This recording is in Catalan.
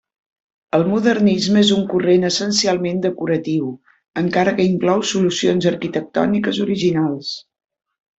El modernisme és un corrent essencialment decoratiu, encara que inclou solucions arquitectòniques originals.